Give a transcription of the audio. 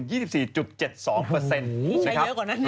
ใช้เยอะกว่านั้นเนี่ย